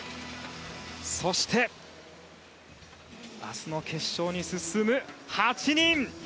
そして、明日の決勝に進む８人。